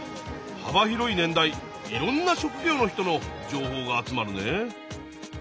幅広い年代いろんな職業の人の情報が集まるね！